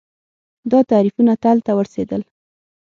دا تعریفونه تل ته ورورسېدل